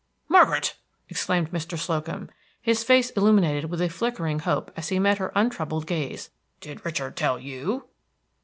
"Margaret!" exclaimed Mr. Slocum, his face illuminated with a flickering hope as he met her untroubled gaze, "did Richard tell _you?"